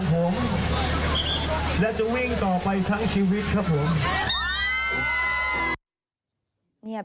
ผมและจะวิ่งต่อไปทั้งชีวิตครับผม